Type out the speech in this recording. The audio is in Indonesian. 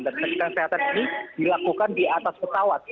dan pencegahan kesehatan ini dilakukan di atas petawat